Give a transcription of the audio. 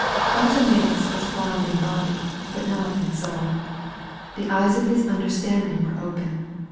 Bartimseus was blind in body, but not in soul. The eyes of his understanding were open.